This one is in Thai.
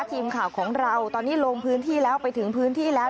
ทีมข่าวของเราตอนนี้ลงพื้นที่แล้วไปถึงพื้นที่แล้ว